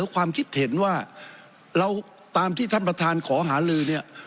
ความคิดเห็นว่าเราตามที่ท่านประธานขอหาลือเนี่ย